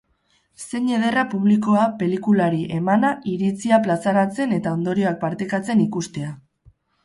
Zein ederra publikoa pelikulari emana, iritzia plazaratzen eta ondorioak partekatzen ikustea.